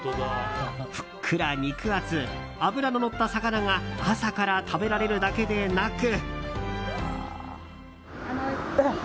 ふっくら肉厚、脂ののった魚が朝から食べられるだけでなく。